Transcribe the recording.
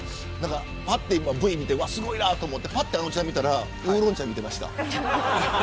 ＶＴＲを見てすごいなと思ってぱってあのちゃんを見たらウーロン茶見てました。